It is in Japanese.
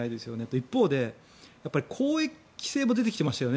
一方で公益性も出てきましたよね。